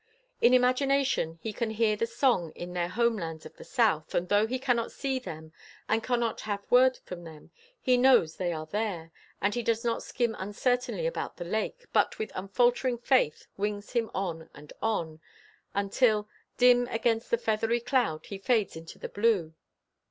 In imagination he can hear their song in the home lands of the South, and though he cannot see them, and cannot have had word from them, he knows they are there, and he does not skim uncertainly about the lake, but with unfaltering faith "wings him on and on" until— Dim against the feathery cloud He fades into the blue.